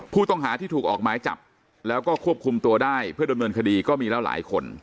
ผู้ต้องหาที่ถูกออกหมายจับแล้วก็ควบคุมตัวได้เพื่อดำเนินคดีก็มีแล้วหลายคน